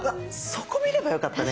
そこ見ればよかったね